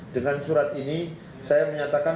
dengan surat ini saya menyatakan